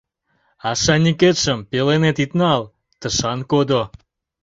А шаньыкетшым пеленет ит нал, тышан кодо.